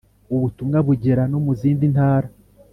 Ubutumwa bugera no mu zindi ntara